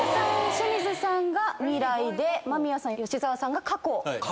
清水さんが未来で間宮さん吉沢さんが過去。